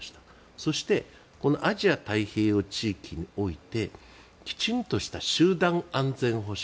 そしてこのアジア太平洋地域においてきちんとした集団安全保障。